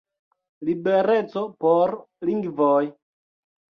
Libereco por lingvoj!